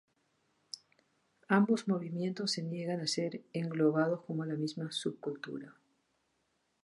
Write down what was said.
Ambos movimientos se niegan a ser englobados como la misma subcultura.